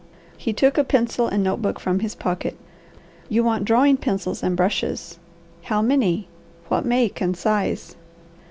He took a pencil and notebook from his pocket. "You want drawing pencils and brushes; how many, what make and size?"